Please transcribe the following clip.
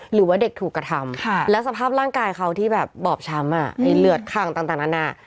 หรือว่าเด็กถูกกระทำแล้วสภาพร่างกายเขาที่แบบบอบช้ำเลือดคังต่างนานา